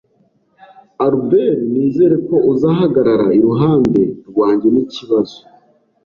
Albert, nizere ko uzahagarara iruhande rwanjye nikibazo.